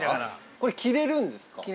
これ着れるんですか？